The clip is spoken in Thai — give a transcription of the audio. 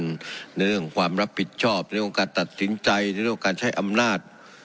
เรื่องความรับผิดชอบในเรื่องการตัดสินใจในเรื่องการใช้อำนาจ